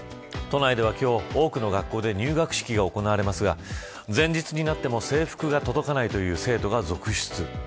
都内では今日多くの学校で入学式が行われますが前日になっても制服が届かないという生徒が続出。